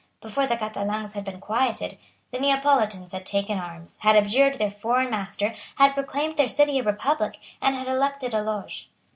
Before the Catalans had been quieted, the Neapolitans had taken arms, had abjured their foreign master, had proclaimed their city a republic, and had elected a Loge.